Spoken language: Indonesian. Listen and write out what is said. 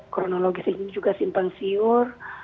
kronologis ini juga simpang siur